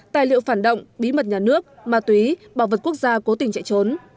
tài liệu phản động bí mật nhà nước ma túy bảo vật quốc gia cố tình chạy trốn